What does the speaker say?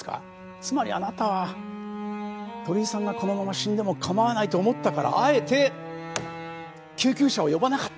つまりあなたは鳥居さんがこのまま死んでも構わないと思ったからあえて救急車を呼ばなかった。